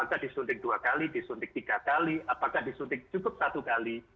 apakah disuntik dua kali disuntik tiga kali apakah disuntik cukup satu kali